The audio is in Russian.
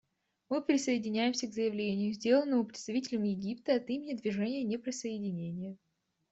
Мы присоединяемся к заявлению, сделанному представителем Египта от имени Движения неприсоединения.